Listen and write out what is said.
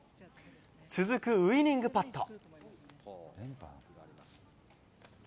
続くウイニングパット。